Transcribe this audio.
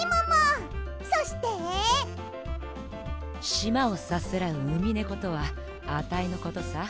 しまをさすらうウミネコとはアタイのことさ。